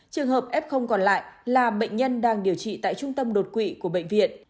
trường hợp f còn lại là bệnh nhân đang điều trị tại trung tâm đột quỵ của bệnh viện